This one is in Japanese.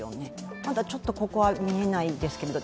ただちょっとここは見えないですけれども。